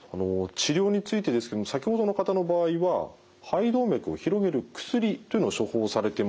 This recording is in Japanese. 治療についてですけども先ほどの方の場合は肺動脈を広げる薬というのを処方されてました。